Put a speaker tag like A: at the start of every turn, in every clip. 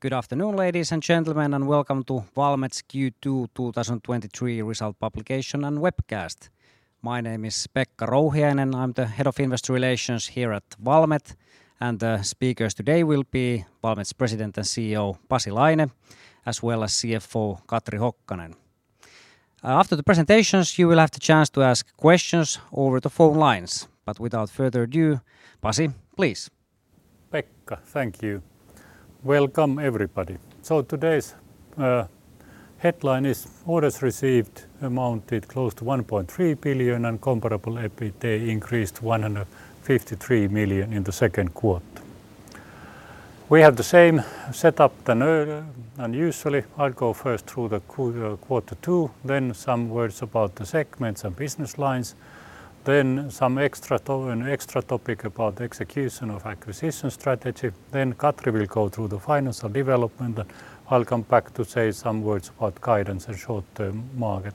A: Good afternoon, ladies and gentlemen, and welcome to Valmet's Q2 2023 Result Publication and Webcast. My name is Pekka Rouhiainen. I'm the Head of Investor Relations here at Valmet, and the speakers today will be Valmet's President and CEO, Pasi Laine, as well as CFO, Katri Hokkanen. After the presentations, you will have the chance to ask questions over the phone lines. Without further ado, Pasi, please.
B: Pekka, thank you. Welcome, everybody. Today's headline is orders received amounted close to 1.3 billion, and comparable EBITDA increased 153 million in the second quarter. We have the same setup than earlier, and usually I'll go first through the quarter two, then some words about the segments and business lines, then some extra topic about the execution of acquisition strategy. Katri will go through the financial development, and I'll come back to say some words about guidance and short-term market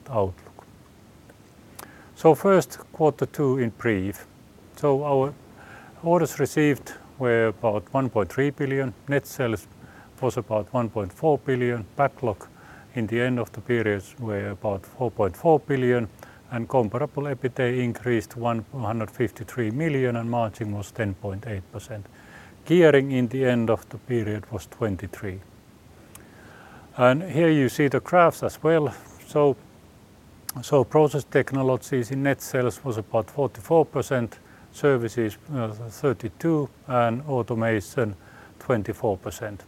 B: outlook. First, quarter two in brief. Our orders received were about EUR 1.3 billion. Net sales was about 1.4 billion. Backlog in the end of the periods were about EUR 4.4 billion, and comparable EBITDA increased 153 million, and margin was 10.8%. Gearing in the end of the period was 23. Here you see the graphs as well. Process technologies in net sales was about 44%, services, 32%, and automation, 24%.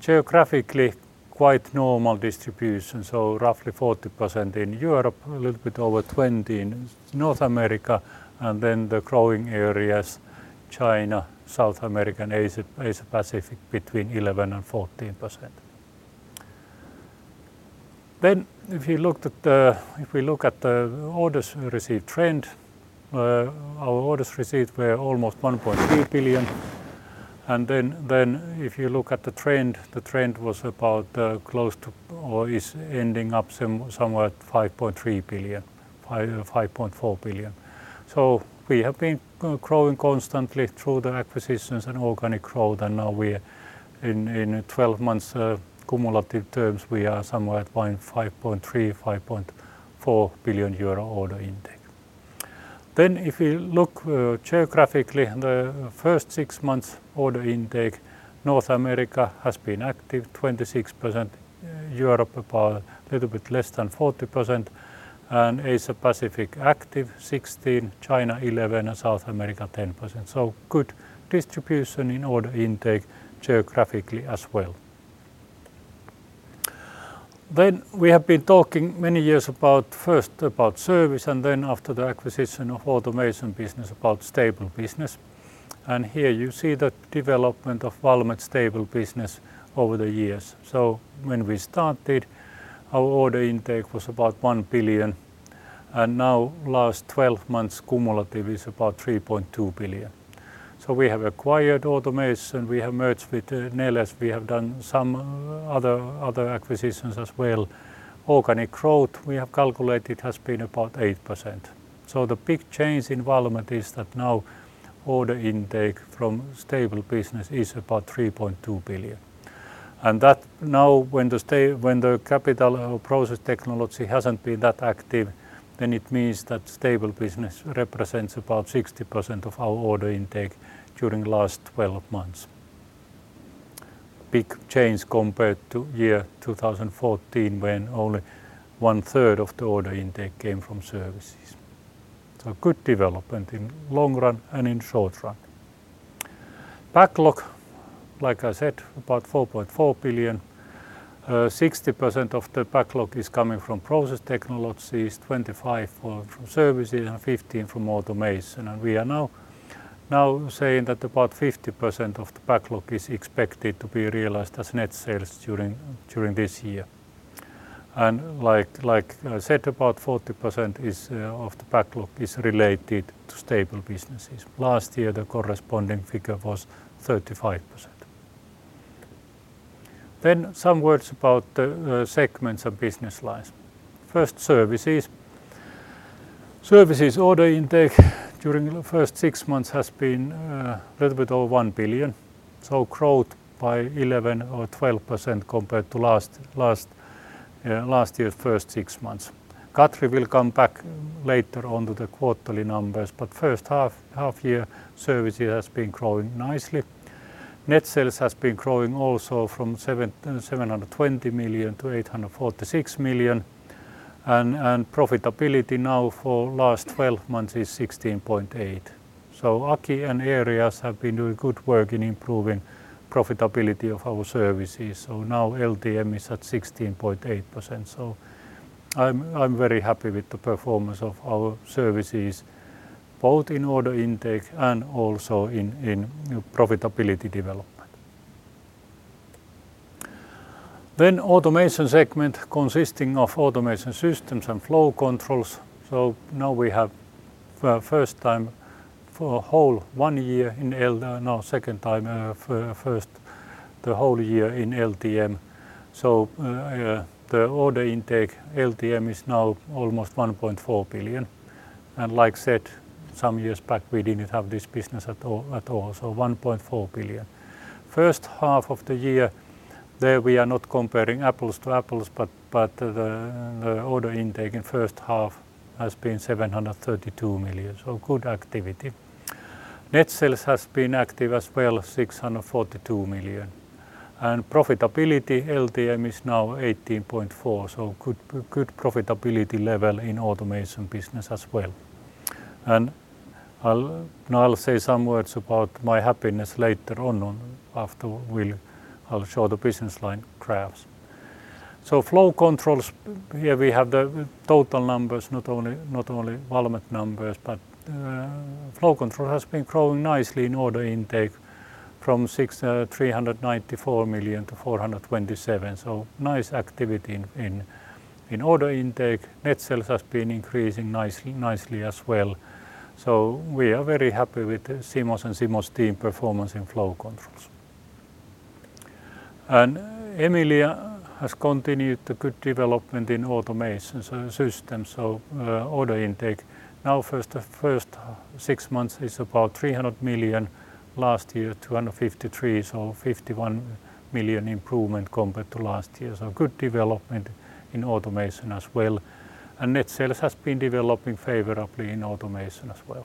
B: Geographically, quite normal distribution, roughly 40% in Europe, a little bit over 20% in North America, and the growing areas, China, South America, and Asia-Pacific, between 11% and 14%. If we look at the orders received trend, our orders received were almost 1.3 billion, and if you look at the trend, the trend was about close to or is ending up somewhere at 5.3 billion, 5.4 billion. We have been growing constantly through the acquisitions and organic growth, and now we're in 12 months, cumulative terms, we are somewhere at 5.3 billion-5.4 billion euro order intake. If you look, geographically, the first six months order intake, North America has been active, 26%, Europe about a little bit less than 40%, and Asia-Pacific active 16%, China 11%, and South America 10%. Good distribution in order intake geographically as well. We have been talking many years about, first about service, and then after the acquisition of automation business, about stable business. Here you see the development of Valmet's stable business over the years. When we started, our order intake was about EUR 1 billion, and now last 12 months cumulative is about EUR 3.2 billion. We have acquired automation, we have merged with Neles, we have done some other acquisitions as well. Organic growth, we have calculated, has been about 8%. The big change in Valmet is that now order intake from stable business is about EUR 3.2 billion. Now, when the capital or process technology hasn't been that active, then it means that stable business represents about 60% of our order intake during the last 12 months. Big change compared to year 2014, when only one third of the order intake came from services. Good development in long run and in short run. Backlog, like I said, about EUR 4.4 billion. 60% of the backlog is coming from process technologies, 25 from services, and 15 from automation. We are now saying that about 50% of the backlog is expected to be realized as net sales during this year. Like I said, about 40% of the backlog is related to stable businesses. Last year, the corresponding figure was 35%. Some words about the segments of business lines. First, services. Services order intake during the first six months has been a little bit over EUR 1 billion, so growth by 11% or 12% compared to last year's first six months. Katri will come back later on to the quarterly numbers, but first half year, services has been growing nicely. Net sales has been growing also from 720 million to EUR 846 million, and profitability now for last 12 months is 16.8%. Aki and areas have been doing good work in improving profitability of our services, now LTM is at 16.8%, I'm very happy with the performance of our services, both in order intake and also in profitability development. Automation segment consisting of Automation Systems and Flow Control. Now we have now second time, for first the whole year in LTM. The order intake, LTM is now almost 1.4 billion. Like I said, some years back, we didn't have this business at all, 1.4 billion. First half of the year, there we are not comparing apples to apples, but the order intake in first half has been 732 million, good activity. Net sales has been active as well, 642 million. Profitability, LTM is now 18.4%, so good profitability level in Automation business as well. Now I'll say some words about my happiness later on after I'll show the business line graphs. Flow Control, here we have the total numbers, not only Valmet numbers, but Flow Control has been growing nicely in order intake from 394 million to 427 million, so nice activity in order intake. Net sales has been increasing nicely as well, so we are very happy with Simo and Simo's team performance in Flow Control. Emilia has continued the good development in Automation Systems, so order intake. First, the first six months is about 300 million, last year, 253 million, so 51 million improvement compared to last year. Good development in Automation as well, and net sales has been developing favorably in Automation as well.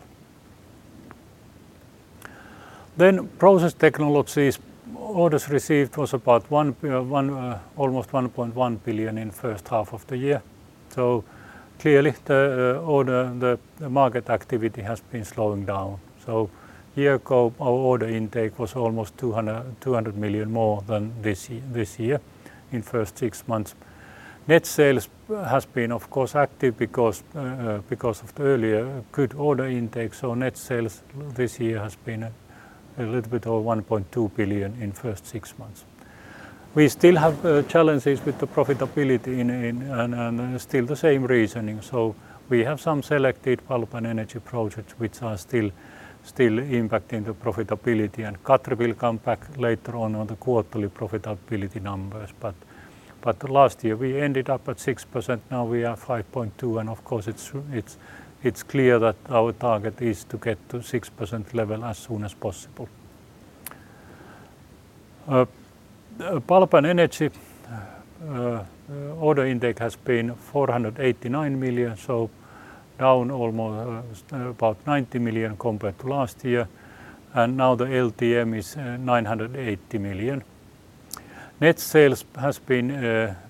B: Process Technologies, orders received was about almost 1.1 billion in first half of the year. Clearly, the order, the market activity has been slowing down. Year ago, our order intake was almost 200 million more than this year in first six months. Net sales has been, of course, active because of the earlier good order intake, so net sales this year has been a little bit over 1.2 billion in first six months. We still have challenges with the profitability and still the same reasoning. We have some selected pulp and energy projects which are still impacting the profitability, and Katri will come back later on on the quarterly profitability numbers. Last year, we ended up at 6%, now we are 5.2%, and of course, it's clear that our target is to get to 6% level as soon as possible. pulp and energy order intake has been 489 million, down almost about 90 million compared to last year, and now the LTM is 980 million. Net sales has been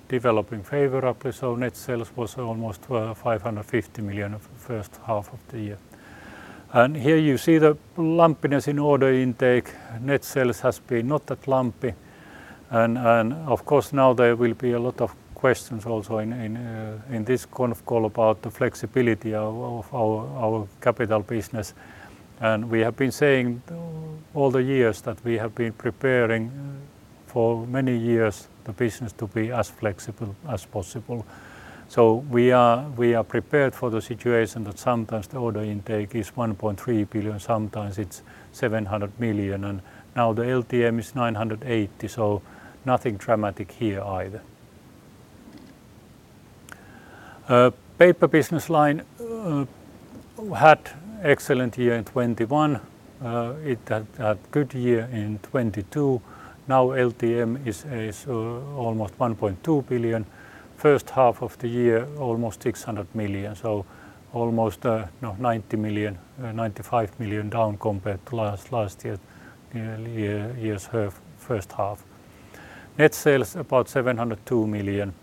B: developing favorably, net sales was almost 550 million of the first half of the year. Here you see the lumpiness in order intake. Net sales has been not that lumpy, and of course, now there will be a lot of questions also in this conf call about the flexibility of our capital business. We have been saying all the years that we have been preparing for many years the business to be as flexible as possible. We are prepared for the situation that sometimes the order intake is 1.3 billion, sometimes it's 700 million, and now the LTM is 980, so nothing dramatic here either. Paper business line had excellent year in 2021. It had a good year in 2022. Now, LTM is almost 1.2 billion. First half of the year, almost 600 million, almost 90 million, 95 million down compared to last year's first half. Net sales, about 702 million,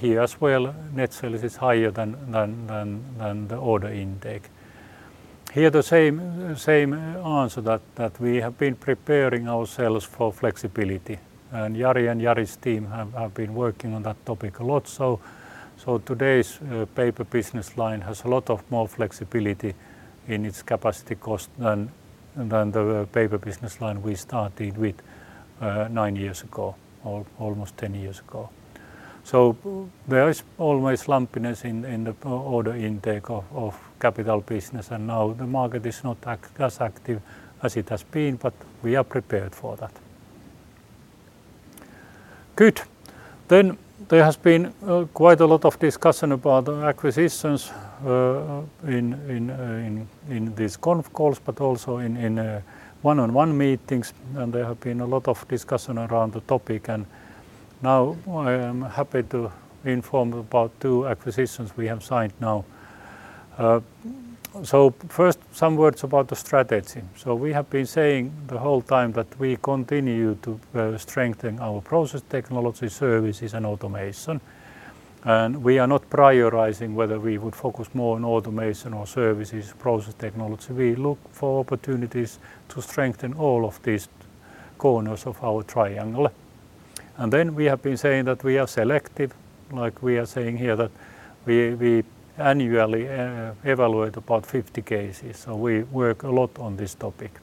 B: here as well, net sales is higher than the order intake. Here, the same answer that we have been preparing ourselves for flexibility, Jari and Jari's team have been working on that topic a lot. Today's paper business line has a lot of more flexibility in its capacity cost than the paper business line we started with nine years ago or almost 10 years ago. There is always lumpiness in the order intake of capital business, the market is not as active as it has been, we are prepared for that. Good. There has been quite a lot of discussion about acquisitions in these conf calls, but also in one-on-one meetings. There have been a lot of discussion around the topic. Now I am happy to inform about two acquisitions we have signed now. First, some words about the strategy. We have been saying the whole time that we continue to strengthen our process technology, services, and automation. We are not prioritizing whether we would focus more on automation or services, process technology. We look for opportunities to strengthen all of these corners of our triangle. Then we have been saying that we are selective, like we are saying here, that we annually evaluate about 50 cases. We work a lot on this topic.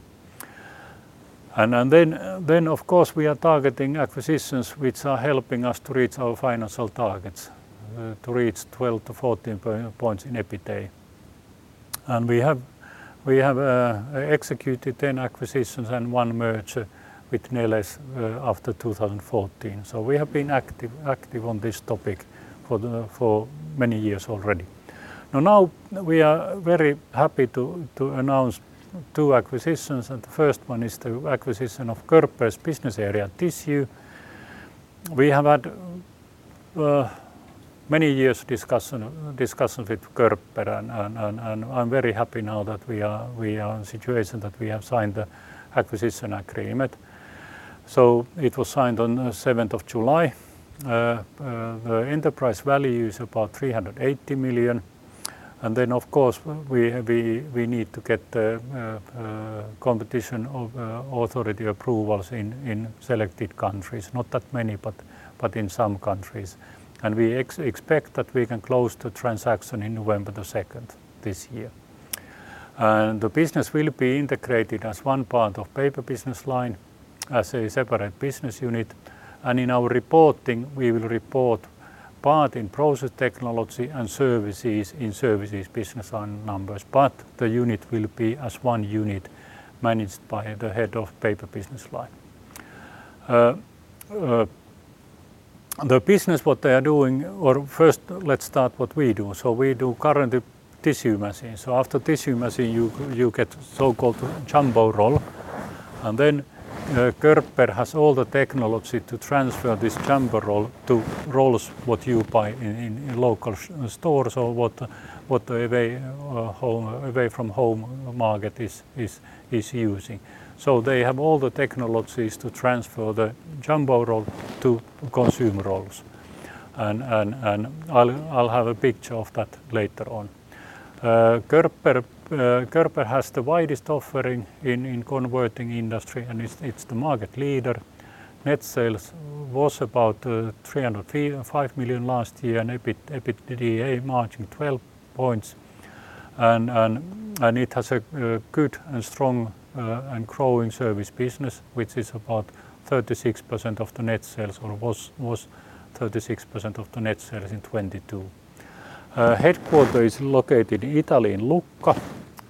B: Of course, we are targeting acquisitions which are helping us to reach our financial targets, to reach 12 to 14 points in EBITDA. We have executed 10 acquisitions and one merger with Neles after 2014. We have been active on this topic for many years already. Now we are very happy to announce two acquisitions, and the first one is the acquisition of Körber's Business Area Tissue. We have had many years discussions with Körber, and I'm very happy now that we are in a situation that we have signed the acquisition agreement. It was signed on the 7th of July. The enterprise value is about 380 million. Of course, we need to get the competition authority approvals in selected countries. Not that many, but in some countries. We expect that we can close the transaction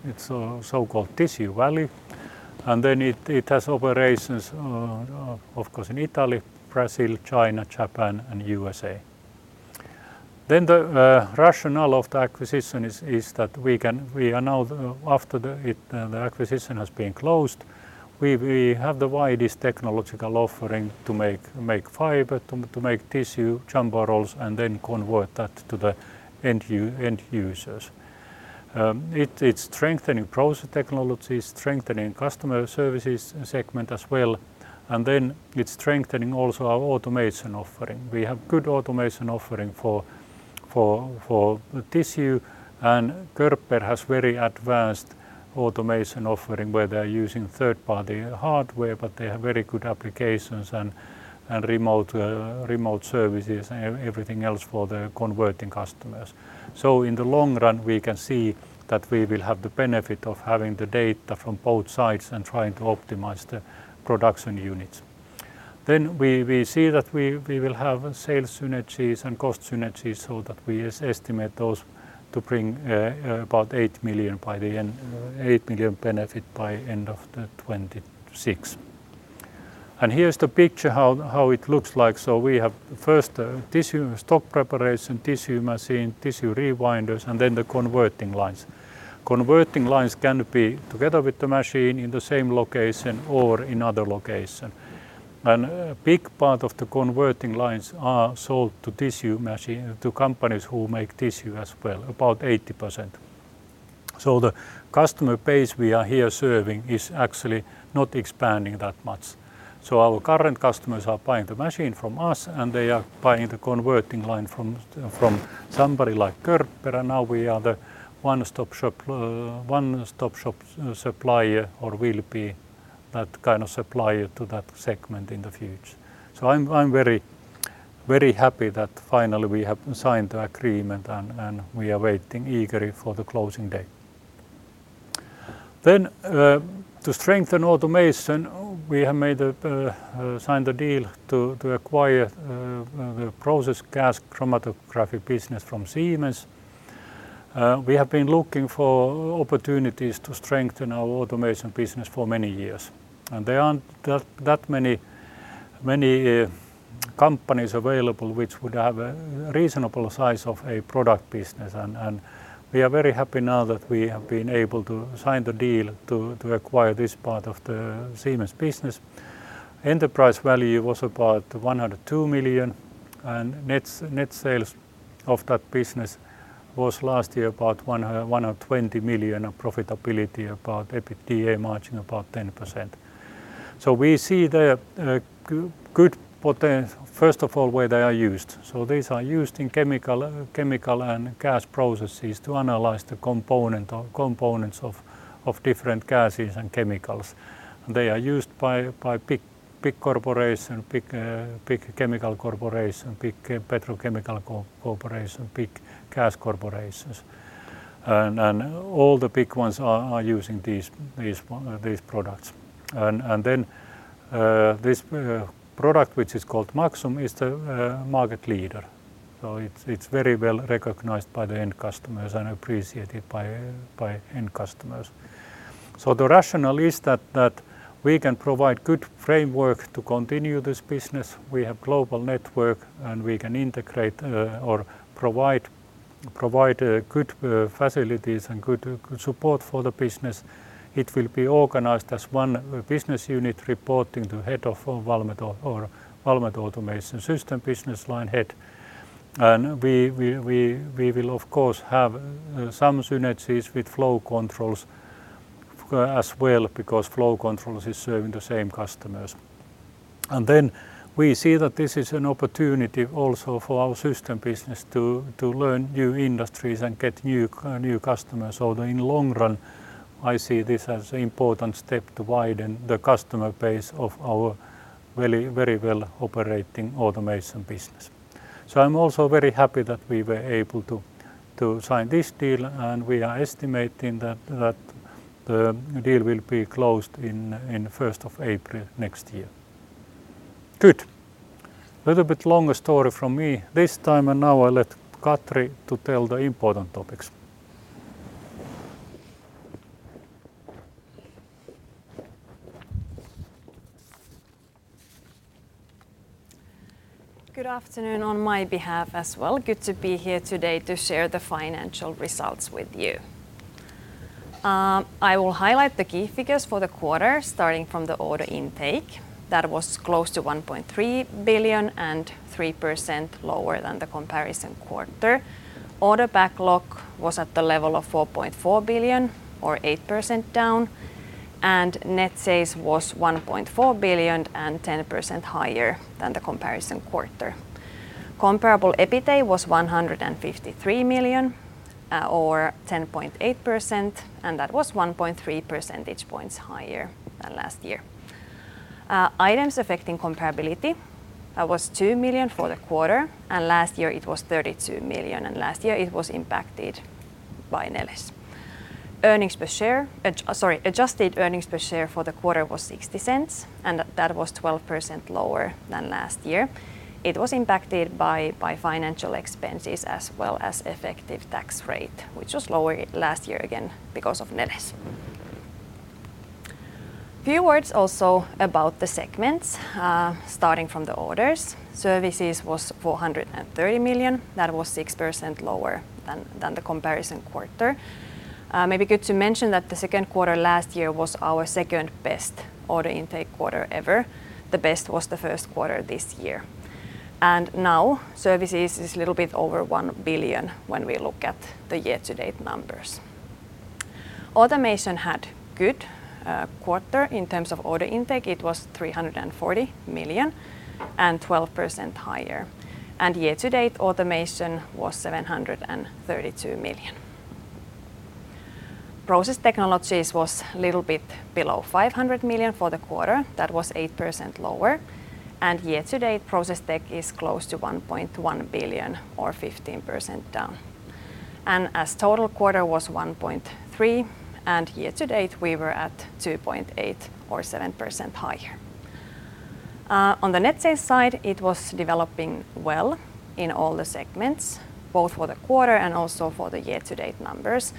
B: in November 2nd, this year. The business will be integrated as one part of Paper business line, as a separate business unit, Our current customers are buying the machine from us, and they are buying the converting line from somebody like Körber, and now we are the one-stop shop, one-stop shop supplier, or will be that kind of supplier to that segment in the future. I'm very, very happy that finally we have signed the agreement, and we are waiting eagerly for the closing date. To strengthen automation, we have signed a deal to acquire the Process Gas Chromatography business from Siemens. We have been looking for opportunities to strengthen our automation business for many years, and there aren't that many companies available which would have a reasonable size of a product business. We are very happy now that we have been able to sign the deal to acquire this part of the Siemens business. Enterprise value was about 102 million, and net sales of that business was last year about 120 million, and profitability about EBITDA margin, about 10%. First of all, where they are used. These are used in chemical and gas processes to analyze the component or components of different gases and chemicals. They are used by big corporation, big chemical corporation, big petrochemical corporation, big gas corporations, and all the big ones are using these products. Then this product, which is called Maxum, is the market leader. It's very well recognized by end customers and appreciated by end customers. The rationale is that we can provide good framework to continue this business. We have global network, and we can integrate or provide good facilities and good support for the business. It will be organized as one business unit reporting to head of Valmet or Valmet Automation Systems business line head. We will, of course, have some synergies with Flow Control as well, because Flow Control is serving the same customers. Then we see that this is an opportunity also for our system business to learn new industries and get new customers. In long run, I see this as important step to widen the customer base of our very, very well operating automation business. I'm also very happy that we were able to sign this deal, and we are estimating that the deal will be closed in the 1st of April next year. Good. Little bit longer story from me this time, now I let Katri to tell the important topics.
C: Good afternoon on my behalf as well. Good to be here today to share the financial results with you. I will highlight the key figures for the quarter, starting from the order intake. That was close to 1.3 billion and 3% lower than the comparison quarter. Order backlog was at the level of 4.4 billion or 8% down, and net sales was 1.4 billion and 10% higher than the comparison quarter. Comparable EBITA was 153 million, or 10.8%. That was 1.3 percentage points higher than last year. Items affecting comparability, that was 2 million for the quarter. Last year it was 32 million. Last year it was impacted by Neles. Earnings per share, adjusted earnings per share for the quarter was 0.60. That was 12% lower than last year. It was impacted by financial expenses as well as effective tax rate, which was lower last year, again, because of Neles. Starting from the orders, services was 430 million. That was 6% lower than the comparison quarter. Maybe good to mention that the second quarter last year was our second best order intake quarter ever. The best was the first quarter this year. Now, services is a little bit over 1 billion when we look at the year-to-date numbers. Automation had good quarter in terms of order intake. It was 340 million and 12% higher, and year-to-date Automation was 732 million. Process Technologies was little bit below 500 million for the quarter. That was 8% lower. Year-to-date, Process Tech is close to 1.1 billion or 15% down. As total quarter was 1.3 billion, and year-to-date we were at 2.8 billion or 7% higher. On the net sales side, it was developing well in all the segments, both for the quarter and also for the year-to-date numbers.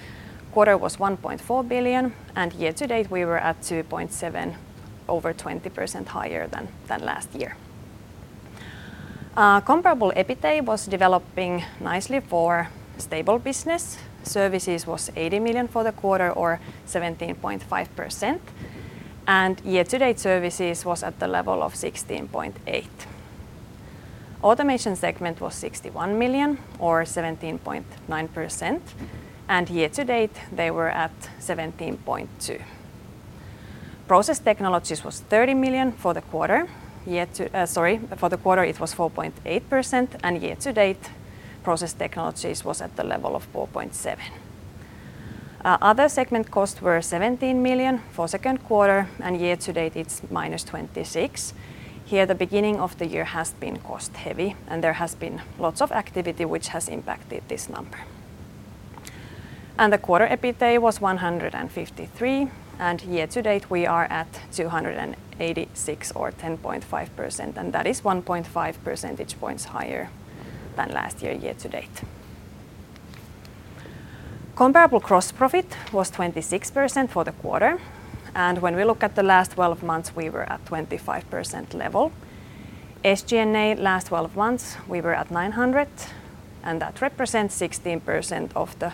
C: Quarter was 1.4 billion, and year-to-date we were at 2.7 billion, over 20% higher than last year. Comparable EBITA was developing nicely for stable business. Services was EUR 80 million for the quarter or 17.5%, and year-to-date services was at the level of 16.8%. Automation segment was EUR 61 million or 17.9%, and year-to-date they were at 17.2%. Process Technologies was 30 million for the quarter, sorry, for the quarter it was 4.8%, and year-to-date, Process Technologies was at the level of 4.7%. Other segment costs were EUR 17 million for second quarter, and year-to-date it's EUR -26 million. Here, the beginning of the year has been cost-heavy, and there has been lots of activity which has impacted this number. The quarter EBITA was 153, and year-to-date we are at 286 or 10.5%, and that is 1.5 percentage points higher than last year-to-date. Comparable gross profit was 26% for the quarter, and when we look at the last 12 months, we were at 25% level. SG&A, last 12 months, we were at 900, and that represents 16% of the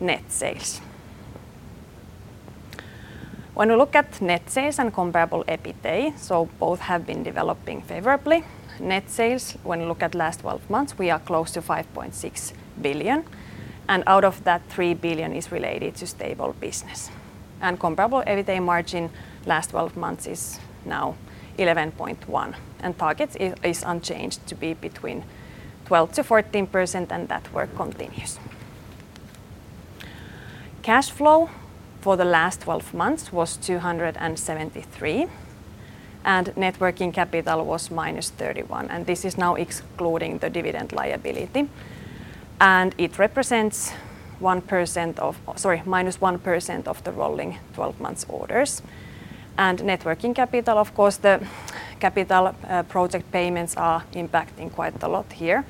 C: net sales. When we look at net sales and comparable EBITA, both have been developing favorably. Net sales, when you look at last twelve months, we are close to 5.6 billion, and out of that, 3 billion is related to stable business. Comparable EBITA margin, last twelve months is now 11.1%, and target is unchanged to be between 12%-14%, and that work continues. Cash flow for the last twelve months was 273, and net working capital was -31, and this is now excluding the dividend liability. It represents 1% of, sorry, -1% of the rolling 12 months orders. Net working capital, of course, the capital project payments are impacting quite a lot here,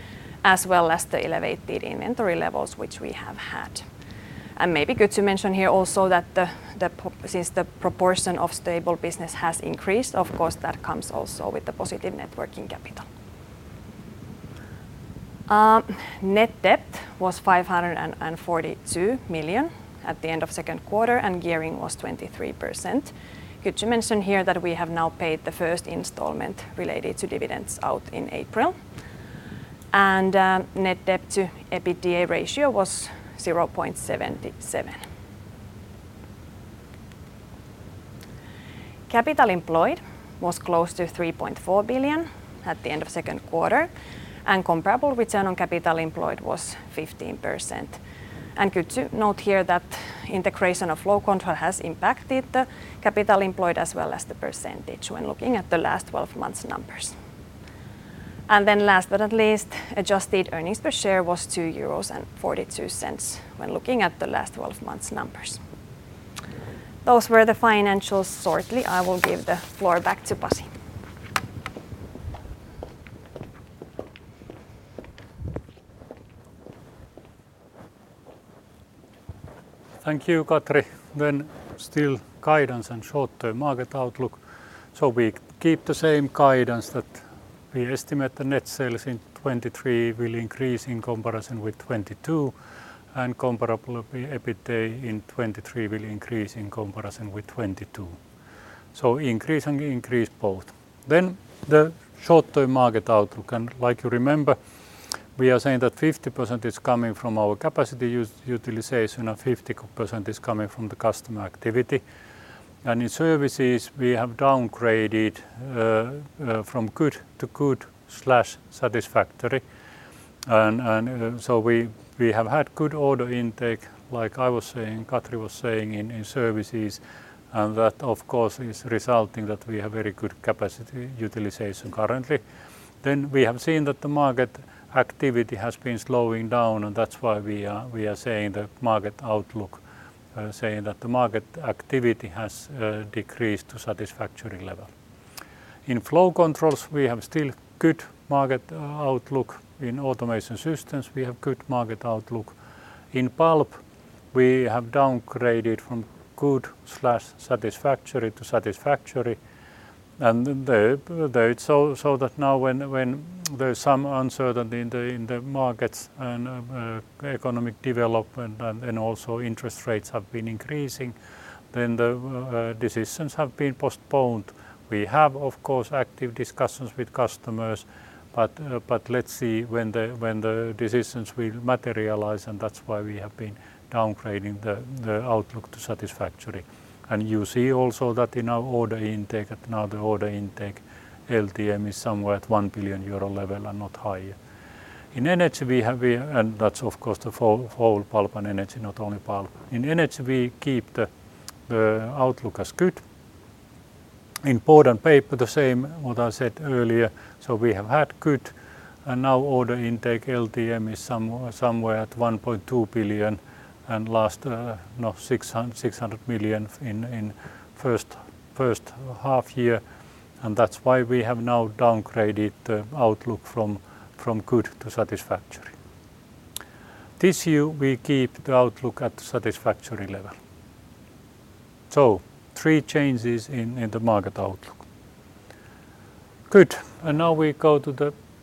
C: as well as the elevated inventory levels, which we have had. Maybe good to mention here also that the proportion of stable business has increased, of course, that comes also with the positive net working capital. Net debt was 542 million at the end of second quarter, and gearing was 23%. Good to mention here that we have now paid the first installment related to dividends out in April. Net debt to EBITDA ratio was 0.77. Capital employed was close to 3.4 billion at the end of second quarter, and comparable return on capital employed was 15%. Good to note here that integration of Flow Control has impacted the capital employed as well as the percentage when looking at the last twelve months numbers. Last but not least, adjusted earnings per share was 2.42 euros when looking at the last twelve months numbers. Those were the financials shortly. I will give the floor back to Pasi.
B: Thank you, Katri. Still guidance and short-term market outlook. We keep the same guidance that we estimate the net sales in 2023 will increase in comparison with 2022, and comparable EBITDA in 2023 will increase in comparison with 2022. Increase and increase both. The short-term market outlook, like you remember, we are saying that 50% is coming from our capacity utilization, and 50% is coming from the customer activity. In services, we have downgraded from good to good/satisfactory. We have had good order intake, like I was saying, Katri was saying in services, that, of course, is resulting that we have very good capacity utilization currently. We have seen that the market activity has been slowing down, and that's why we are saying the market outlook, saying that the market activity has decreased to satisfactory level. In Flow Control, we have still good market outlook. In Automation Systems, we have good market outlook. In pulp, we have downgraded from good/satisfactory to satisfactory, so that now when there's some uncertainty in the markets and economic development and also interest rates have been increasing, decisions have been postponed. We have, of course, active discussions with customers, but let's see when the decisions will materialize, and that's why we have been downgrading the outlook to satisfactory. You see also that in our order intake, that now the order intake LTM is somewhere at 1 billion euro level and not higher. In energy, we have. And that's, of course, the whole pulp and energy, not only pulp. In energy, we keep the outlook as good. In board and paper, the same what I said earlier, so we have had good, and now order intake LTM is somewhere at 1.2 billion, and last, you know, 600 million in first half year, and that's why we have now downgraded the outlook from good to satisfactory. This year, we keep the outlook at satisfactory level. Three changes in the market outlook. Good. Now we go.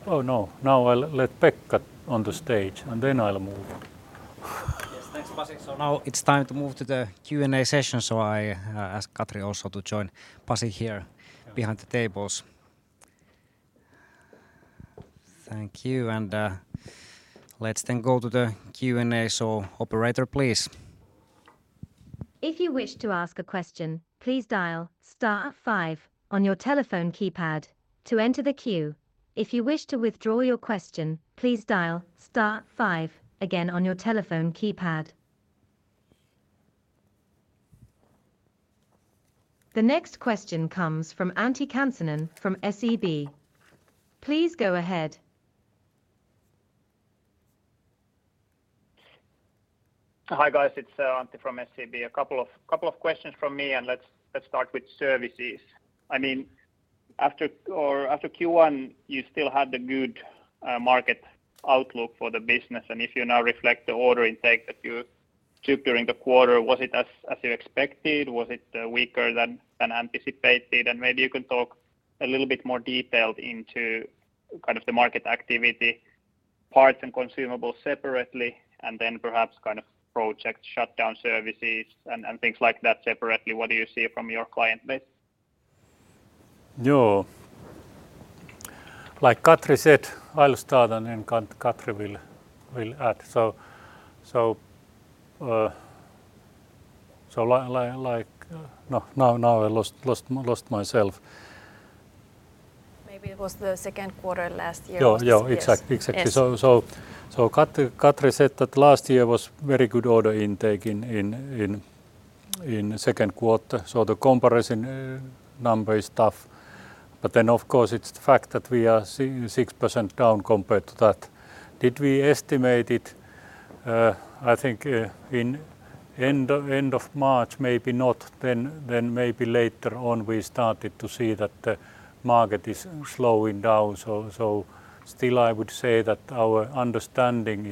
B: Oh, no! Now I'll let Pekka on the stage, and then I'll move.
A: Yes, thanks, Pasi. Now it's time to move to the Q&A session, so I ask Katri also to join Pasi here behind the tables. Thank you, let's then go to the Q&A. Operator, please.
D: If you wish to ask a question, please dial star five on your telephone keypad to enter the queue. If you wish to withdraw your question, please dial star five again on your telephone keypad. The next question comes from Antti Kansanen from SEB. Please go ahead.
E: Hi, guys, it's Antti from SEB. A couple of questions from me, and let's start with services. I mean, after Q1, you still had the good market outlook for the business, and if you now reflect the order intake that you took during the quarter, was it as you expected? Was it weaker than anticipated? Maybe you can talk a little bit more detailed into kind of the market activity, parts and consumables separately, and then perhaps kind of project shutdown services and things like that separately. What do you see from your client base?
B: Joo! Like Katri said, I'll start, and then Katri will add. Like. No, now I lost myself.
C: Maybe it was the second quarter last year.
B: Yeah, yeah. Exactly.
C: Yes.
B: Exactly. Katri said that last year was very good order intake in the second quarter, the comparison number is tough. Of course, it's the fact that we are 6% down compared to that. Did we estimate it? I think in end of March, maybe not then maybe later on we started to see that the market is slowing down. Still I would say that our understanding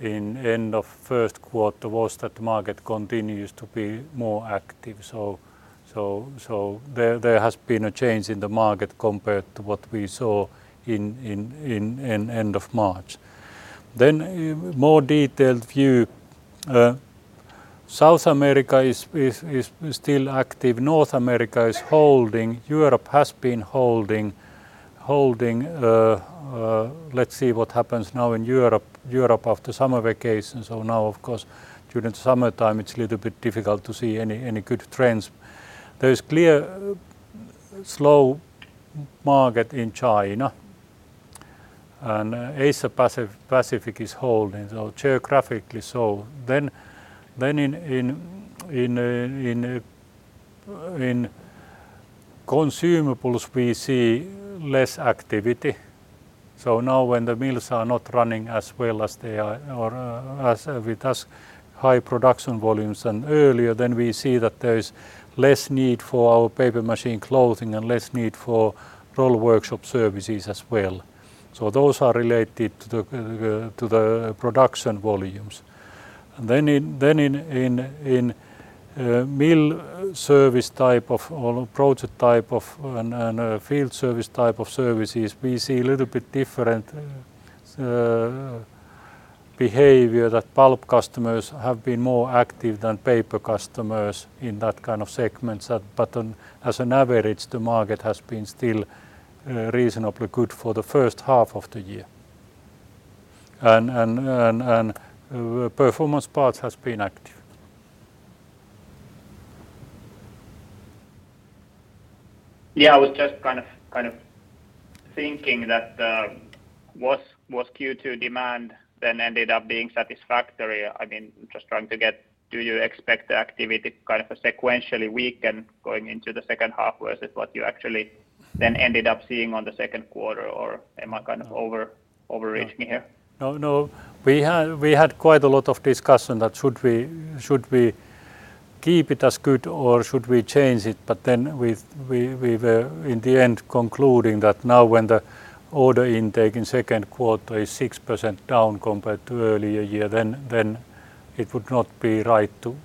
B: in end of first quarter was that the market continues to be more active. There has been a change in the market compared to what we saw in end of March. More detailed view, South America is still active. North America is holding. Europe has been holding. Let's see what happens now in Europe after summer vacation. Now, of course, during summertime it's a little bit difficult to see any good trends. There's clear slow market in China, and Asia Pacific is holding, so geographically so. In consumables, we see less activity. Now when the mills are not running as well as they are or as with as high production volumes than earlier, then we see that there is less need for our paper machine clothing and less need for roll workshop services as well. Those are related to the production volumes. Then in mill service type of or project type of, and a field service type of services, we see a little bit different behavior that pulp customers have been more active than paper customers in that kind of segments. As an average, the market has been still reasonably good for the first half of the year. Performance parts has been active.
E: Yeah, I was just kind of thinking that, was Q2 demand then ended up being satisfactory? I mean. Do you expect the activity kind of sequentially weak and going into the second half, whereas is what you actually then ended up seeing on the second quarter, or am I kind of overreaching here?
B: No. We had quite a lot of discussion that should we keep it as good or should we change it? We were in the end concluding that now when the order intake in second quarter is 6% down compared to earlier year, then it would not be right to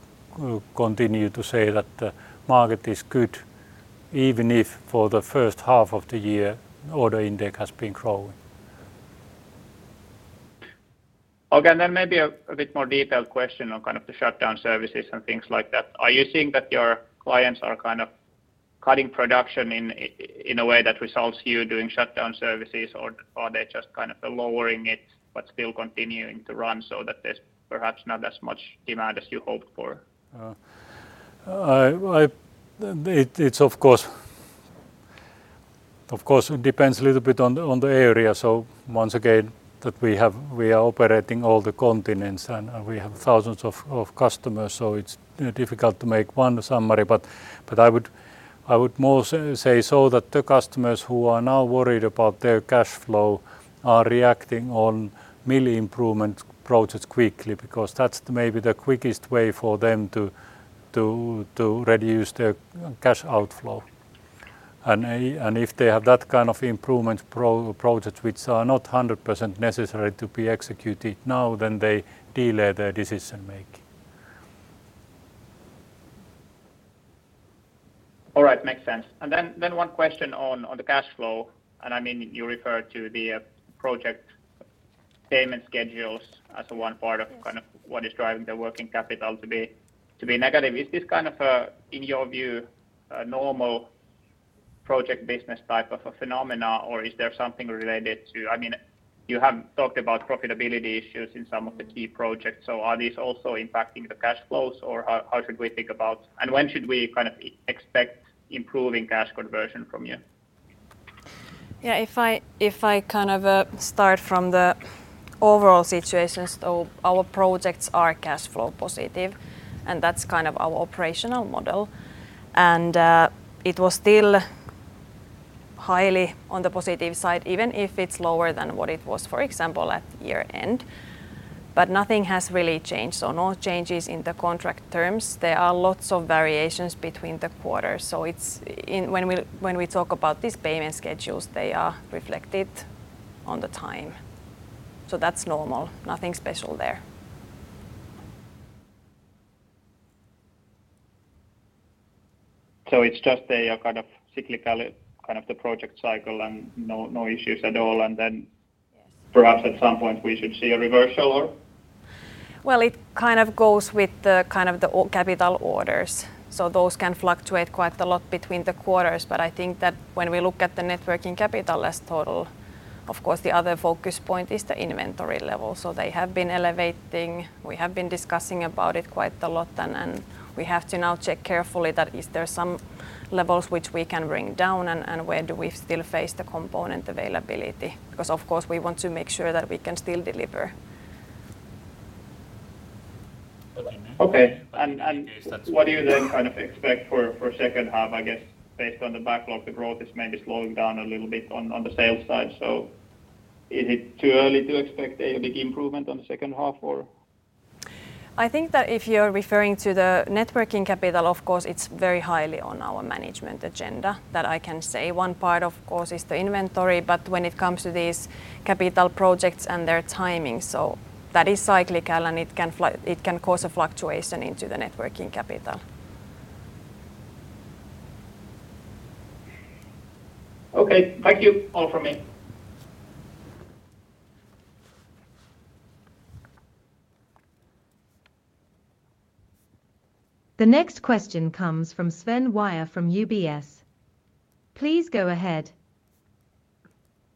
B: continue to say that the market is good, even if for the first half of the year order intake has been growing.
E: Okay, maybe a bit more detailed question on kind of the shutdown services and things like that. Are you seeing that your clients are kind of cutting production in a way that results you doing shutdown services, or are they just kind of lowering it but still continuing to run so that there's perhaps not as much demand as you hoped for?
B: I, well, it's of course, of course, it depends a little bit on the area. Once again, that we are operating all the continents, and we have thousands of customers, so it's difficult to make one summary. I would say so that the customers who are now worried about their cash flow are reacting on mill improvement projects quickly, because that's maybe the quickest way for them to reduce their cash outflow. If they have that kind of improvement projects, which are not 100% necessary to be executed now, then they delay their decision-making.
E: All right. Makes sense. Then one question on the cash flow, and I mean, you referred to the project payment schedules as one part of kind of what is driving the working capital to be negative. Is this kind of a, in your view, a normal project business type of a phenomena, or is there something related to, I mean, you have talked about profitability issues in some of the key projects? Are these also impacting the cash flows? How should we think about, and when should we kind of expect improving cash conversion from you?
C: If I kind of start from the overall situation, our projects are cash flow positive, and that's kind of our operational model. It was still highly on the positive side, even if it's lower than what it was, for example, at year-end. Nothing has really changed, no changes in the contract terms. There are lots of variations between the quarters, it's when we talk about these payment schedules, they are reflected on the time. That's normal, nothing special there.
E: It's just a kind of cyclical, kind of the project cycle and no issues at all. Perhaps at some point we should see a reversal or?
C: It kind of goes with the kind of the capital orders, those can fluctuate quite a lot between the quarters. I think that when we look at the net working capital as total, of course, the other focus point is the inventory level. They have been elevating, we have been discussing about it quite a lot, and we have to now check carefully that is there some levels which we can bring down, and where do we still face the component availability? Of course, we want to make sure that we can still deliver.
E: Okay, and what do you then kind of expect for second half? I guess based on the backlog, the growth is maybe slowing down a little bit on the sales side. Is it too early to expect a big improvement on the second half, or?
C: I think that if you're referring to the net working capital, of course, it's very highly on our management agenda, that I can say. One part, of course, is the inventory, but when it comes to these capital projects and their timing, that is cyclical, and it can cause a fluctuation into the net working capital.
E: Okay. Thank you. All from me.
D: The next question comes from Sven Weier from UBS. Please go ahead.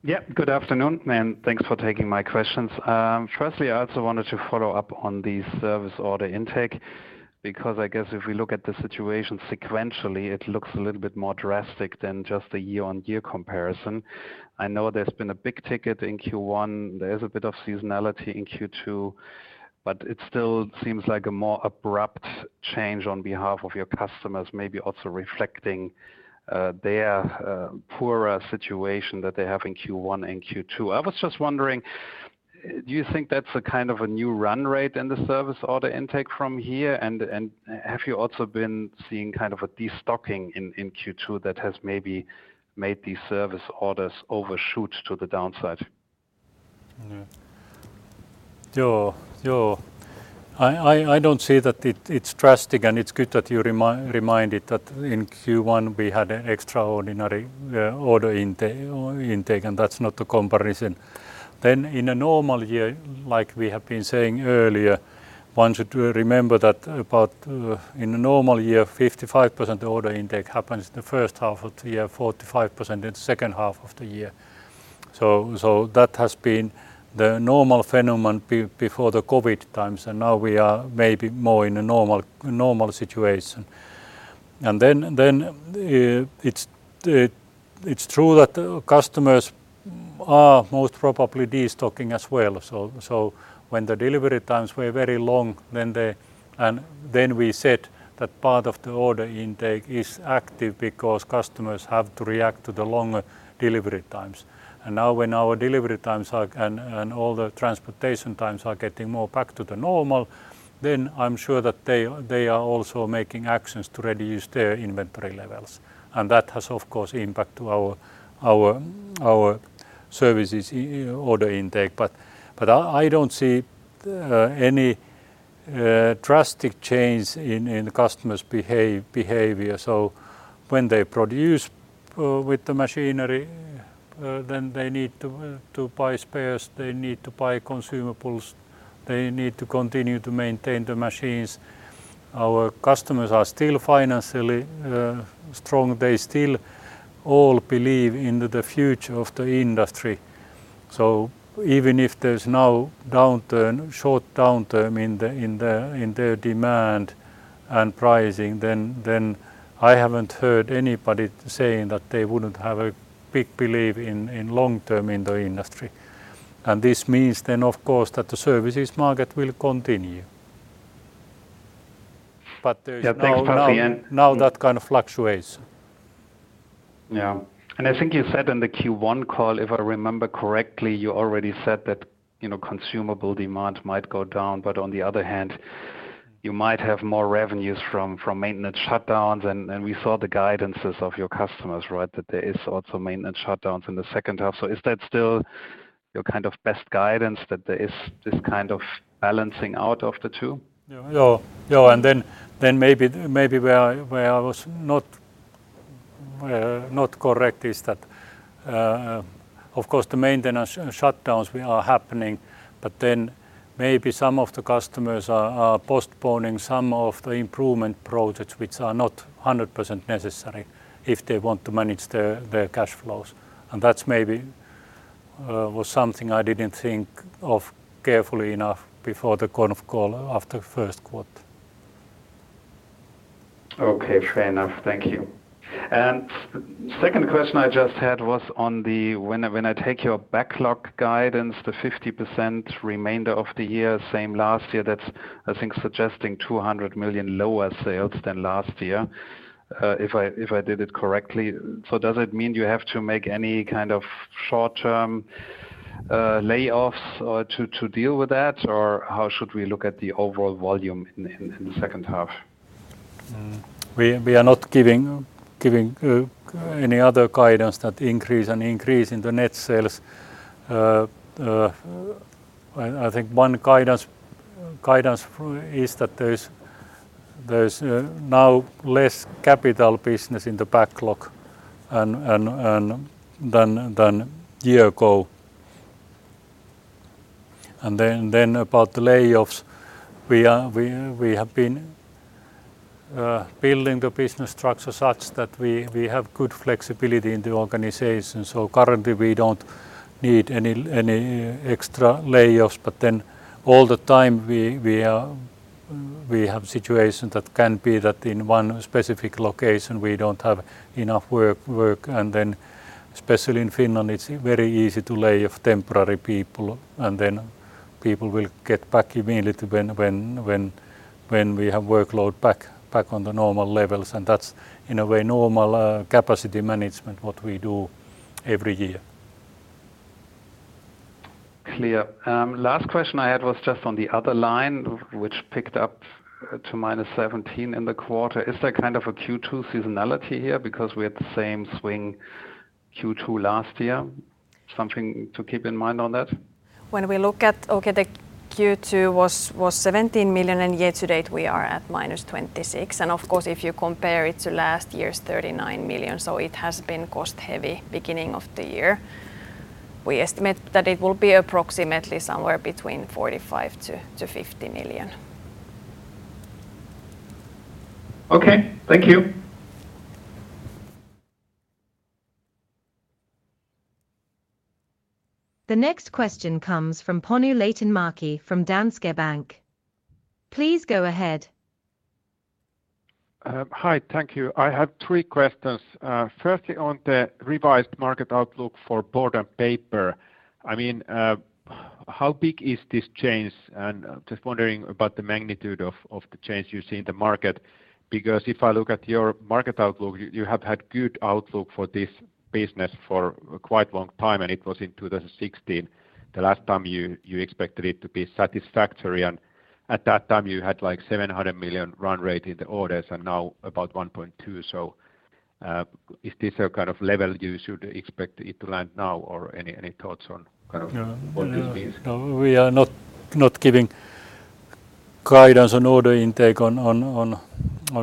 F: Yeah, good afternoon. Thanks for taking my questions. Firstly, I also wanted to follow up on the service order intake. I guess if we look at the situation sequentially, it looks a little bit more drastic than just a year-on-year comparison. I know there's been a big ticket in Q1. There is a bit of seasonality in Q2. It still seems like a more abrupt change on behalf of your customers, maybe also reflecting their poorer situation that they have in Q1 and Q2. I was just wondering, do you think that's a kind of a new run rate in the service order intake from here? Have you also been seeing kind of a destocking in Q2 that has maybe made these service orders overshoot to the downside?
B: Yeah. Yeah. I don't see that it's drastic, and it's good that you reminded that in Q1 we had an extraordinary order intake, and that's not the comparison. In a normal year, like we have been saying earlier, one should remember that about in a normal year, 55% order intake happens in the first half of the year, 45% in the second half of the year. That has been the normal phenomenon before the COVID times, and now we are maybe more in a normal situation. It's true that customers are most probably destocking as well. When the delivery times were very long, then we said that part of the order intake is active because customers have to react to the longer delivery times. Now when our delivery times are, all the transportation times are getting more back to the normal, then I'm sure that they are also making actions to reduce their inventory levels. That has, of course, impact to our services order intake. I don't see any drastic change in the customers' behavior. When they produce with the machinery, then they need to buy spares, they need to buy consumables, they need to continue to maintain the machines. Our customers are still financially strong. They still all believe in the future of the industry. Even if there's now downturn, short downturn in their demand and pricing, then I haven't heard anybody saying that they wouldn't have a big belief in long term in the industry. This means then, of course, that the services market will continue.
F: Yeah, thanks for the.
B: That kind of fluctuates.
F: Yeah. I think you said in the Q1 call, if I remember correctly, you already said that, you know, consumable demand might go down, but on the other hand, you might have more revenues from maintenance shutdowns, and we saw the guidances of your customers, right? That there is also maintenance shutdowns in the second half. Is that still your kind of best guidance, that there is this kind of balancing out of the two?
B: Yeah. Maybe, maybe where I, where I was not correct is that, of course, the maintenance shutdowns are happening, but maybe some of the customers are postponing some of the improvement projects which are not 100% necessary if they want to manage their cash flows. That's maybe was something I didn't think of carefully enough before the kind of call after first quarter.
F: Okay, fair enough. Thank you. Second question I just had was on the, when I take your backlog guidance, the 50% remainder of the year, same last year, that's, I think, suggesting 200 million lower sales than last year, if I, if I did it correctly. Does it mean you have to make any kind of short-term layoffs or to deal with that? Or how should we look at the overall volume in the, in the second half?
B: We are not giving any other guidance that increase, an increase in the net sales. I think one guidance is that there's now less capital business in the backlog and than year ago. About the layoffs, we have been building the business structure such that we have good flexibility in the organization. Currently, we don't need any extra layoffs, but then all the time we have situations that can be that in one specific location, we don't have enough work, and then especially in Finland, it's very easy to lay off temporary people, and then people will get back immediately when we have workload back on the normal levels. That's in a way, normal capacity management, what we do every year.
F: Clear. Last question I had was just on the other line, which picked up to -17 in the quarter. Is there kind of a Q2 seasonality here? We had the same swing Q2 last year. Something to keep in mind on that?
C: Okay, the Q2 was 17 million, and year to date we are at -26. Of course, if you compare it to last year's 39 million, it has been cost-heavy beginning of the year. We estimate that it will be approximately somewhere between 45 million-50 million.
F: Okay. Thank you.
D: The next question comes from Panu Laitinmäki from Danske Bank. Please go ahead.
G: Hi. Thank you. I have three questions. Firstly, on the revised market outlook for board and paper. I mean, how big is this change? Just wondering about the magnitude of the change you see in the market. If I look at your market outlook, you have had good outlook for this business for quite a long time. It was in 2016, the last time you expected it to be satisfactory. At that time you had, like, 700 million run rate in the orders. Now about 1.2. Is this a kind of level you should expect it to land now or any thoughts on kind of?
B: Yeah.
G: What this means?
B: No, we are not giving guidance on order intake on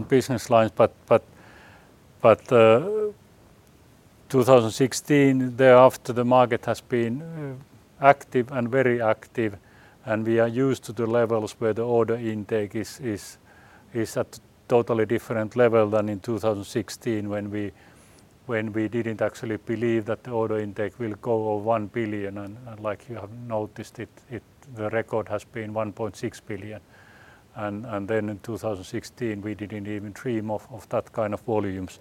B: business lines, but 2016, thereafter, the market has been active and very active, and we are used to the levels where the order intake is at totally different level than in 2016, when we didn't actually believe that the order intake will go over 1 billion. Like you have noticed, the record has been 1.6 billion. Then in 2016, we didn't even dream of that kind of volumes.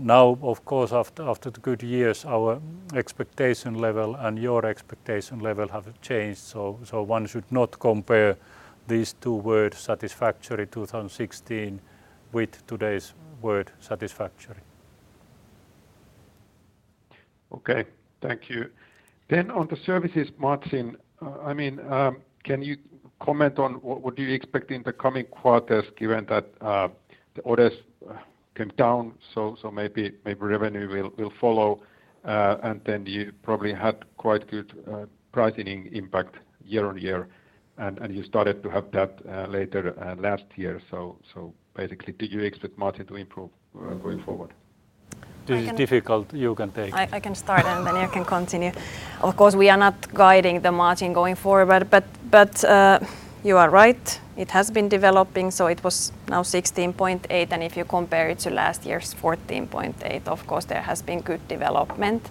B: Now, of course, after the good years, our expectation level and your expectation level have changed. One should not compare these two words, satisfactory 2016, with today's word, satisfactory.
G: Okay. Thank you. On the services margin, I mean, can you comment on what do you expect in the coming quarters, given that the orders came down, so maybe revenue will follow? You probably had quite good pricing impact year-on-year, and you started to have that later last year. Basically, do you expect margin to improve going forward?
B: This is difficult.
C: I can.
B: You can take.
C: I can start. Then you can continue. Of course, we are not guiding the margin going forward, but you are right, it has been developing. It was now 16.8%, and if you compare it to last year's 14.8%, of course, there has been good development.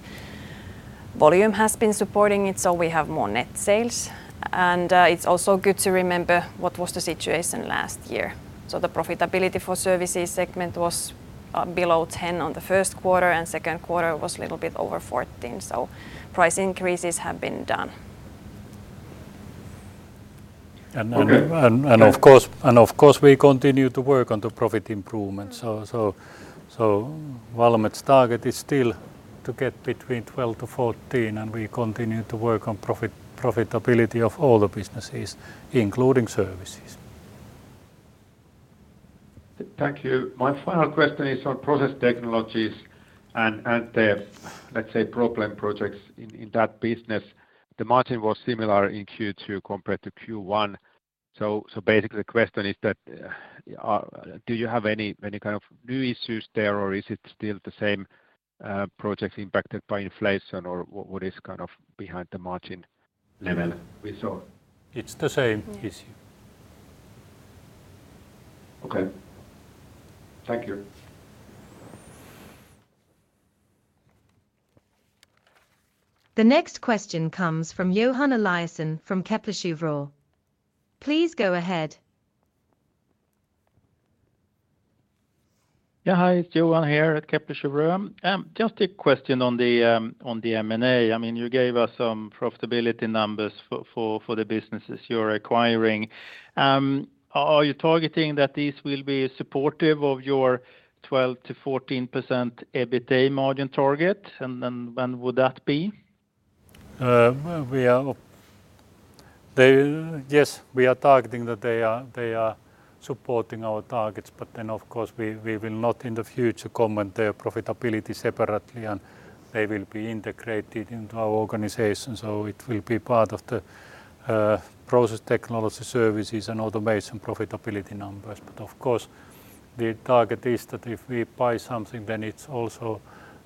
C: Volume has been supporting it, so we have more net sales. It's also good to remember what was the situation last year. The profitability for Services segment was below 10% on the first quarter, and second quarter was a little bit over 14%. Price increases have been done.
G: Okay.
B: And, of course.
G: Yeah
B: Of course, we continue to work on the profit improvement. Valmet's target is still to get between 12%-14%, and we continue to work on profitability of all the businesses, including services.
G: Thank you. My final question is on process technologies and the, let's say, problem projects in that business. The margin was similar in Q2 compared to Q1, so basically the question is that, do you have any kind of new issues there? Is it still the same projects impacted by inflation, or what is kind of behind the margin level we saw?
B: It's the same issue.
G: Okay. Thank you.
D: The next question comes from Johan Eliason from Kepler Cheuvreux. Please go ahead.
H: Yeah. Hi, it's Johan here at Kepler Cheuvreux. Just a question on the on the M&A. I mean, you gave us some profitability numbers for the businesses you're acquiring. Are you targeting that these will be supportive of your 12%-14% EBITA margin target? When would that be?
B: We are, yes, we are targeting that they are supporting our targets. Of course, we will not in the future comment their profitability separately. They will be integrated into our organization. It will be part of the Process Technology Services and Automation profitability numbers. Of course, the target is that if we buy something, then it's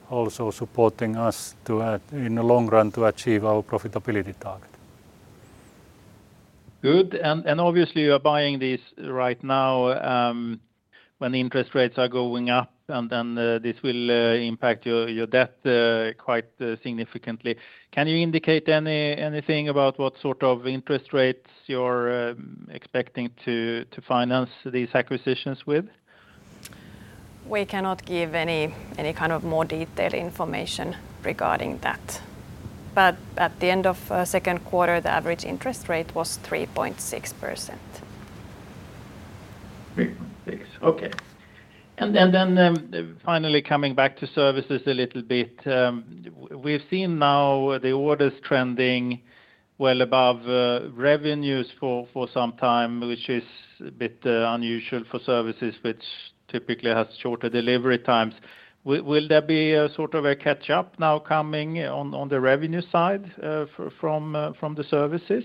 B: also supporting us to in the long run, to achieve our profitability target.
H: Good. Obviously you are buying this right now, when interest rates are going up, this will impact your debt, quite significantly. Can you indicate anything about what sort of interest rates you're expecting to finance these acquisitions with?
C: We cannot give any kind of more detailed information regarding that. At the end of second quarter, the average interest rate was 3.6%.
H: 3.6%. Okay. Finally coming back to services a little bit, we've seen now the orders trending well above revenues for some time, which is a bit unusual for services, which typically has shorter delivery times. Will there be a sort of a catch-up now coming on the revenue side from the services?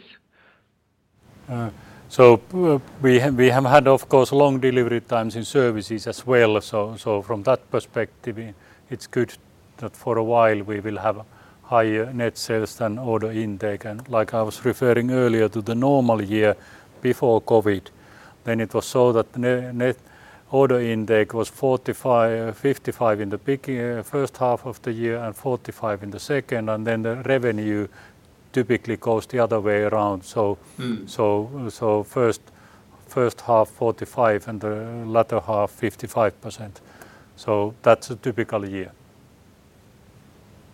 B: We have had, of course, long delivery times in services as well. From that perspective, it's good that for a while we will have higher net sales than order intake. Like I was referring earlier, to the normal year before COVID, it was so that net order intake was 45, 55 in the beginning, first half of the year and 45 in the second, and the revenue typically goes the other way around. So first half, 45, and the latter half, 55%. That's a typical year.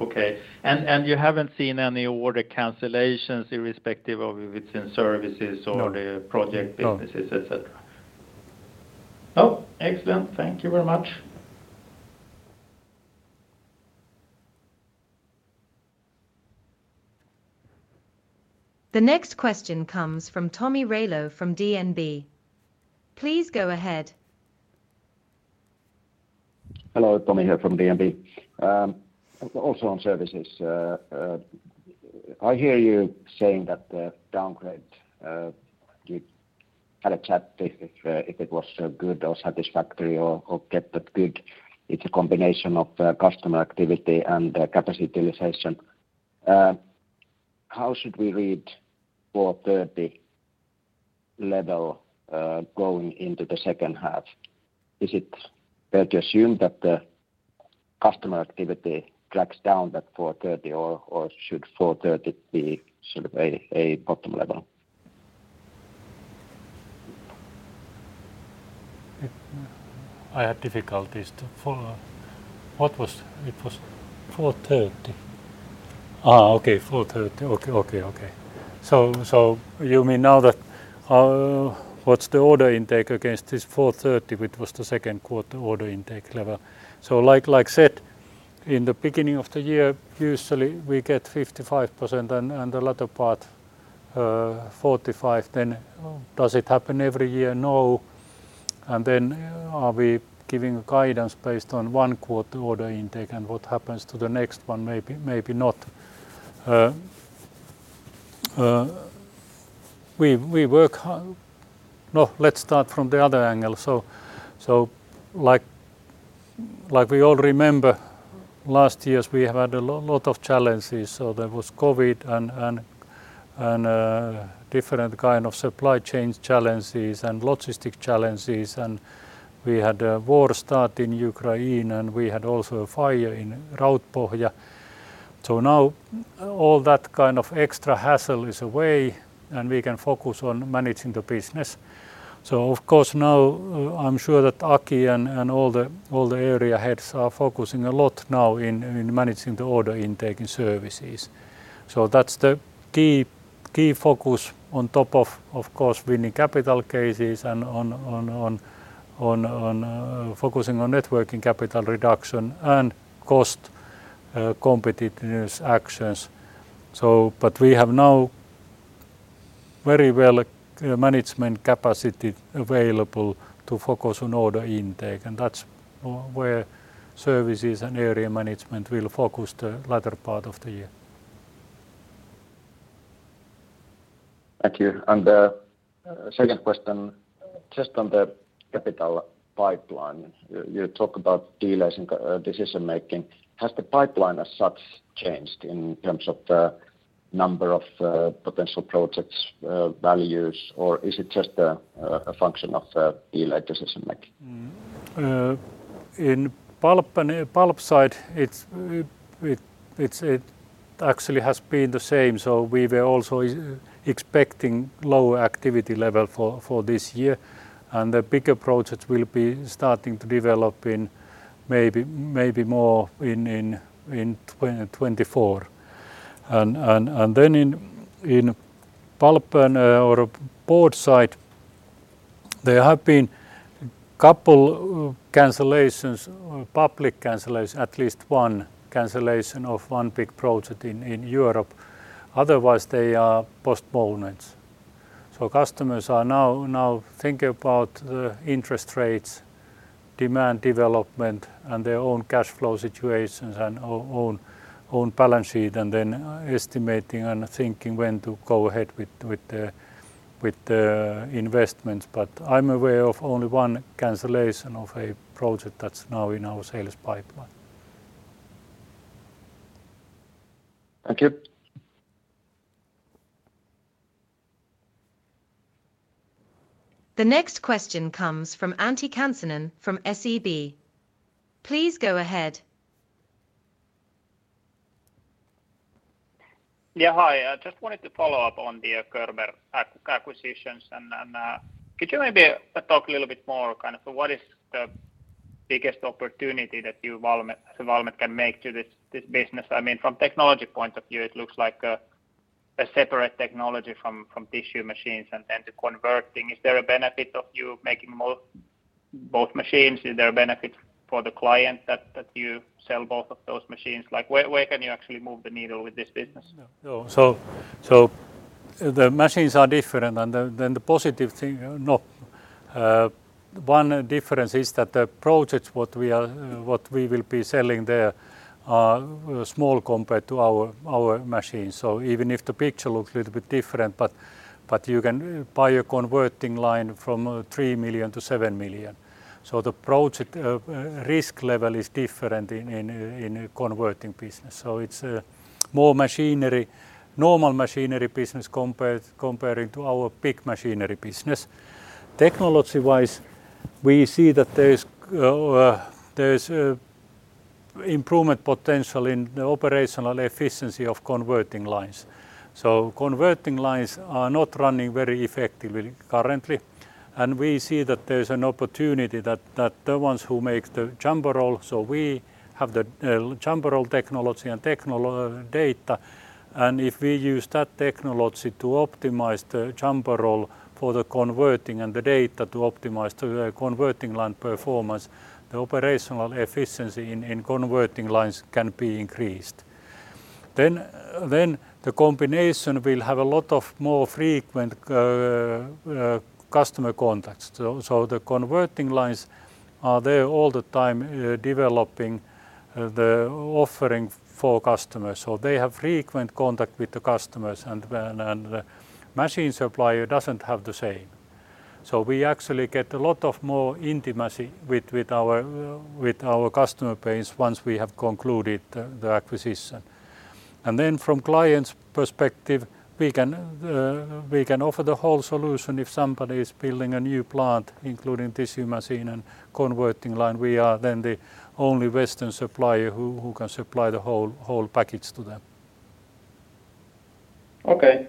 H: Okay. And you haven't seen any order cancellations, irrespective of if it's in services?
B: No.
H: Or the project businesses, et cetera?
B: No.
H: Oh, excellent. Thank you very much.
D: The next question comes from Tomi Railo from DNB. Please go ahead.
I: Hello, Tommy here from DNB. Also on services, I hear you saying that the downgrade, you had a chat if it was good or satisfactory or get that good, it's a combination of customer activity and the capitalization. How should we read 430 level going into the second half? Is it fair to assume that the customer activity tracks down that 430, or should 430 be sort of a bottom level?
B: I have difficulties to follow. It was 430. Okay, 430. Okay. You mean now that what's the order intake against this 430, which was the second quarter order intake level? Like I said, in the beginning of the year, usually we get 55%, and the latter part 45%, does it happen every year? No. Are we giving guidance based on one quarter order intake, and what happens to the next one? Maybe, maybe not. No, let's start from the other angle. Like we all remember, last years, we have had a lot of challenges. There was COVID and different kind of supply chain challenges and logistic challenges, and we had a war start in Ukraine, and we had also a fire in Rautpohja. Now, all that kind of extra hassle is away, and we can focus on managing the business. Of course, now, I'm sure that Aki and all the area heads are focusing a lot now in managing the order intake and services. That's the key focus on top of course, winning capital cases and on focusing on net working capital reduction and cost competitiveness actions. But we have now very well management capacity available to focus on order intake, and that's where services and area management will focus the latter part of the year.
I: Thank you. The second question, just on the capital pipeline, you talk about deals and decision-making. Has the pipeline as such changed in terms of the number of potential projects, values, or is it just a function of deal decision-making?
B: In pulp side, it's actually has been the same. We were also expecting lower activity level for this year, and the bigger projects will be starting to develop maybe more in 2024. In pulp or board side, there have been couple cancellations, public cancellations, at least one cancellation of one big project in Europe. Otherwise, they are postponements. Customers are now thinking about the interest rates, demand development, and their own cash flow situations and own balance sheet, and then estimating and thinking when to go ahead with the investments. I'm aware of only one cancellation of a project that's now in our sales pipeline.
I: Thank you.
D: The next question comes from Antti Kansanen from SEB. Please go ahead.
E: Yeah, hi. I just wanted to follow up on the Körber acquisitions. Could you maybe talk a little bit more kind of what is the biggest opportunity that Valmet can make to this business? I mean, from technology point of view, it looks like a separate technology from tissue machines and then the converting. Is there a benefit of you making both machines? Is there a benefit for the client that you sell both of those machines? Like, where can you actually move the needle with this business?
B: The machines are different, and then the positive thing, one difference is that the projects what we are, what we will be selling there are small compared to our machines. Even if the picture looks a little bit different, but you can buy a converting line from 3 million to 7 million. The project risk level is different in converting business. It's a more machinery, normal machinery business comparing to our big machinery business. Technology-wise, we see that there is, there's a improvement potential in the operational efficiency of converting lines. Converting lines are not running very effectively currently, and we see that there's an opportunity that the ones who make the jumbo roll, we have the jumbo roll technology and data, and if we use that technology to optimize the jumbo roll for the converting and the data to optimize the converting line performance, the operational efficiency in converting lines can be increased. The combination will have a lot of more frequent customer contacts. The converting lines are there all the time, developing the offering for customers. They have frequent contact with the customers, and the machine supplier doesn't have the same. We actually get a lot of more intimacy with our customer base once we have concluded the acquisition. From client's perspective, we can offer the whole solution if somebody is building a new plant, including tissue machine and converting line, we are then the only Western supplier who can supply the whole package to them.
E: Okay.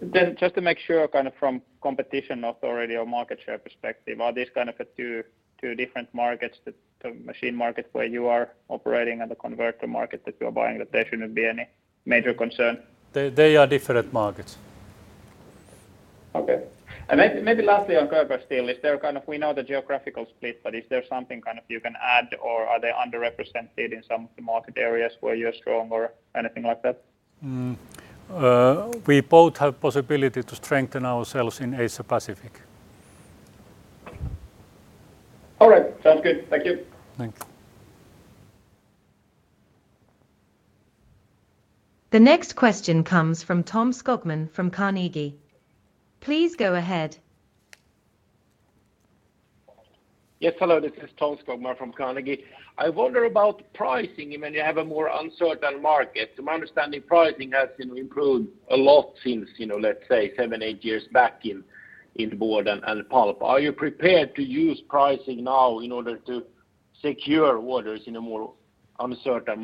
E: Then just to make sure, kind of from competition authority or market share perspective, are these kind of a two different markets, the machine market where you are operating and the converter market that you are buying, that there shouldn't be any major concern?
B: They are different markets.
E: Okay. Maybe lastly, on Körber deal. We know the geographical split, but is there something kind of you can add, or are they underrepresented in some of the market areas where you're strong or anything like that?
B: We both have possibility to strengthen ourselves in Asia Pacific.
E: All right. Sounds good. Thank you.
B: Thanks.
D: The next question comes from Tom Skogman from Carnegie. Please go ahead.
J: Yes, hello, this is Tom Skogman from Carnegie. I wonder about pricing when you have a more uncertain market. My understanding, pricing has been improved a lot since, you know, let's say, seven, eight years back in the board and pulp. Are you prepared to use pricing now in order to secure orders in a more uncertain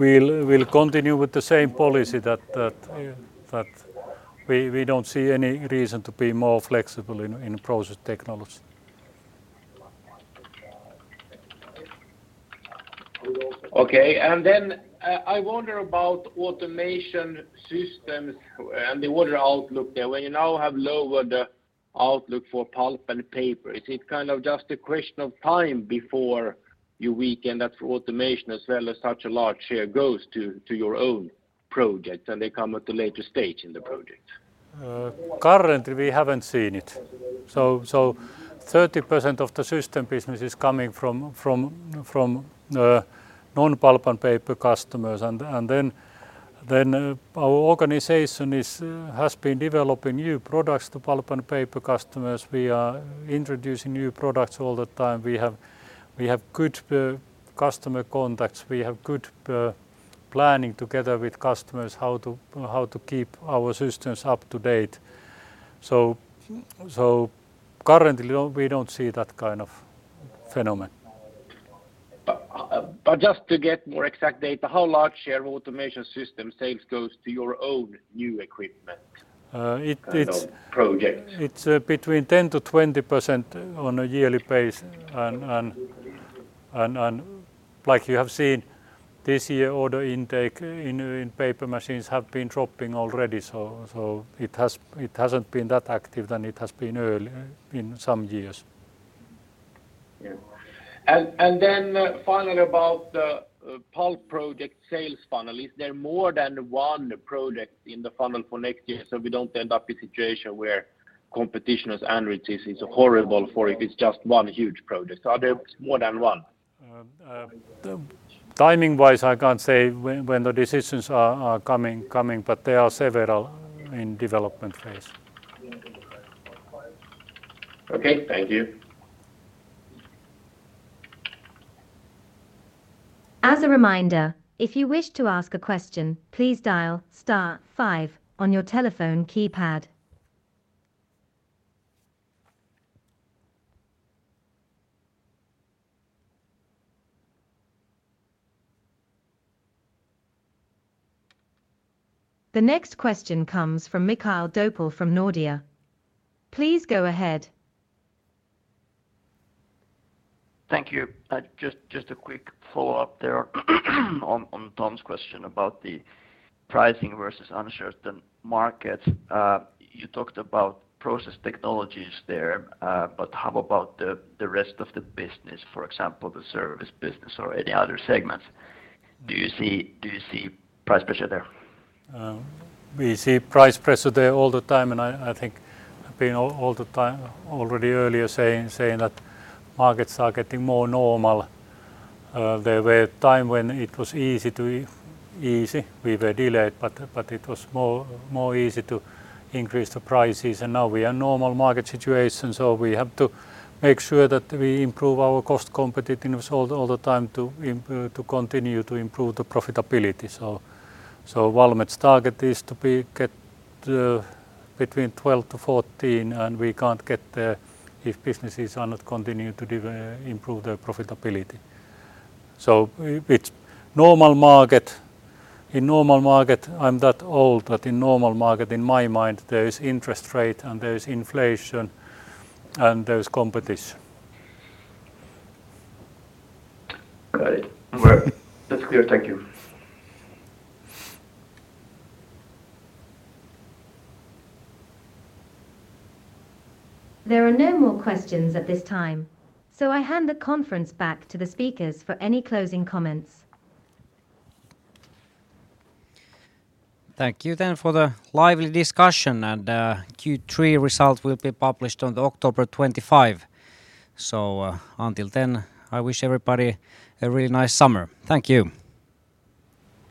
J: market or will you be really stubborn and hold on to your better improved sales margin in new orders?
B: In process technology, we'll continue with the same policy that we don't see any reason to be more flexible in process technology.
J: Okay. I wonder about Automation Systems and the order outlook there. When you now have lowered the outlook for pulp and paper, is it kind of just a question of time before you weaken that automation as well as such a large share goes to your own projects, and they come at a later stage in the project?
B: Currently, we haven't seen it. 30% of the system business is coming from non-pulp and paper customers. Our organization is has been developing new products to pulp and paper customers. We are introducing new products all the time. We have good customer contacts, we have good planning together with customers how to keep our systems up to date. Currently, we don't see that kind of phenomenon.
J: Just to get more exact data, how large share automation system sales goes to your own new equipment kind of projects?
B: It's between 10%-20% on a yearly base. Like you have seen this year, order intake in paper machines have been dropping already. It hasn't been that active than it has been earlier in some years.
J: Yeah. Then finally, about the pulp project sales funnel, is there more than one project in the funnel for next year, so we don't end up in a situation where competition as Andritz is horrible for if it's just one huge project? Are there more than one?
B: Timing-wise, I can't say when the decisions are coming, but there are several in development phase.
J: Okay. Thank you.
D: As a reminder, if you wish to ask a question, please dial star five on your telephone keypad. The next question comes from Mikael Doepel from Nordea. Please go ahead.
K: Thank you. Just a quick follow-up there on Tom's question about the pricing versus uncertain markets. You talked about process technologies there, but how about the rest of the business, for example, the service business or any other segments? Do you see price pressure there?
B: We see price pressure there all the time. I think I've been all the time already earlier saying that markets are getting more normal. There were a time when it was easy, we were delayed, but it was more easy to increase the prices. Now we are normal market situation. We have to make sure that we improve our cost competitiveness all the time to continue to improve the profitability. Valmet's target is between 12 to 14. We can't get there if businesses are not continuing to improve their profitability. With normal market, in normal market, I'm that old that in normal market, in my mind, there is interest rate, there is inflation, there is competition.
K: Got it. Well, that's clear. Thank you.
D: There are no more questions at this time, so I hand the conference back to the speakers for any closing comments.
A: Thank you then for the lively discussion, and, Q3 results will be published on October 25. Until then, I wish everybody a really nice summer. Thank you.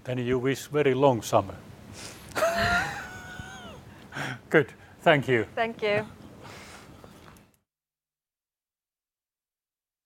B: You wish very long summer. Good. Thank you.
C: Thank you.